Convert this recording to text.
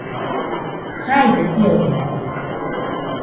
Jaibe fiodaite